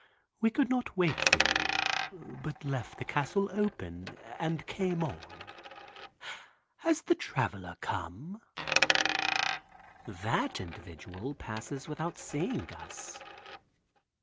We could not wait for you, but left the castle open and came on. Has the Traveler come?" That individual passes without seeing us.